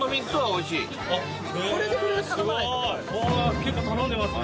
結構頼んでますね。